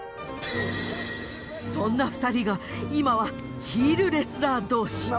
そんな２人が今はヒールレスラー同士。